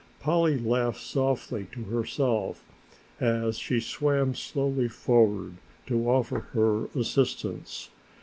Polly laughed softly to herself as she swam slowly forward to offer her assistance.